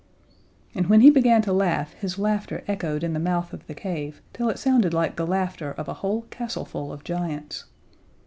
And when he began to laugh his laughter echoed in the mouth of the cave till it sounded like the laughter of a whole castleful of giants.